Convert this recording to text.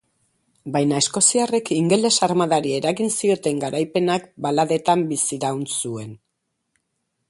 Baina eskoziarrek ingeles armadari eragin zioten garaipenak baladetan biziraun zuen.